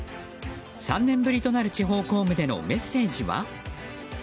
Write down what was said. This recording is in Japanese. ３年ぶりとなる地方公務でのメッセージは？